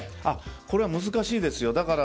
これは難しいですよ。